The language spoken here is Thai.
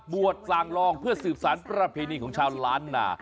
สั่งลองเพื่อสืบสารประเพณีของชาวล้านนา